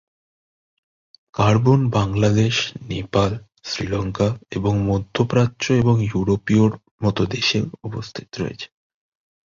Carbon Bangladesh, Nepal, Sri Lanka এবং মধ্য প্রাচ্য এবং ইউরোপের মতো দেশেও উপস্থিত রয়েছে।